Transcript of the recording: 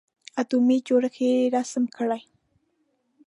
اتومي جوړښت یې رسم کړئ.